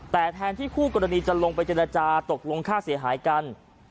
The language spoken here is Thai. แต่แทนที่คู่กรณีจะลงไปเจรจาตกลงค่าเสียหายกัน